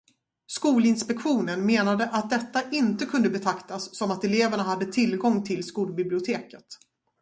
Skolinspektionen menade att detta inte kunde betraktas som att eleverna hade tillgång till skolbiblioteket.